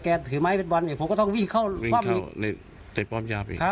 ถือไม้เป็นบอลเนี่ยผมก็ต้องวิ่งเข้าเตะป้อมยามอีก